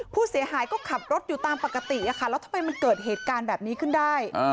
ผู้เสียหายก็ขับรถอยู่ตามปกติแล้วทำไมมันเกิดเหตุการณ์แบบนี้ขึ้นได้